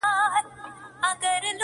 o په جنگ کي يو گام د سلو کلو لاره ده.